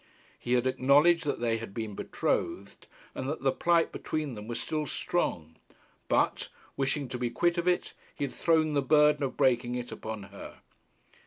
He had acknowledged that they had been betrothed, and that the plight between them was still strong; but, wishing to be quit of it, he had thrown the burden of breaking it upon her.